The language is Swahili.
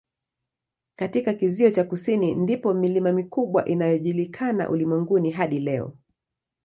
Katika kizio cha kusini ndipo milima mikubwa inayojulikana ulimwenguni hadi leo.